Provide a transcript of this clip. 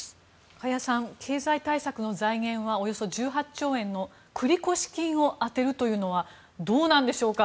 加谷さん経済対策の財源はおよそ１８兆円の繰越金を充てるというのはどうなんでしょうか。